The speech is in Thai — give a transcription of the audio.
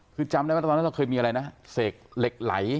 คือจำได้มั้ยว่าเราก็เคยมีอะไรนะเสกเหล็กไหล